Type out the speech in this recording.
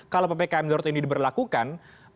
kalau ppkm darurat ini diberlakukan